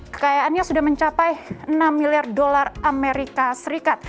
kekayaannya sudah mencapai enam miliar dolar as